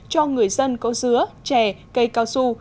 cho người dân có dứa chè cây cao su